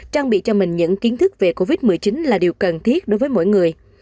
trang bị cho mình những kiến thức về covid một mươi chín là điều cần thiết đối với mỗi người